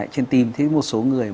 trên tim thế một số người